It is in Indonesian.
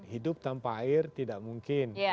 hidup tanpa air tidak mungkin